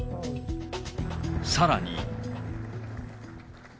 さらに。